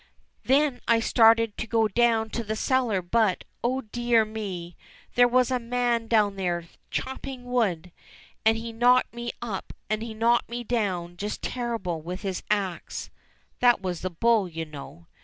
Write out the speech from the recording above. "Then I started to go down to the cellar, but — oh dear me ! there was a man down there chopping wood, and he knocked me up and he knocked me down just terrible with his axe." {That was the hull, you know.)